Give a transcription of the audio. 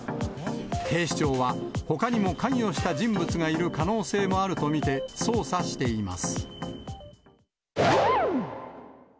警視庁はほかにも関与した人物がいる可能性もあると見て、捜査しています。